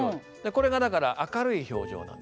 これがだから明るい表情なんですね。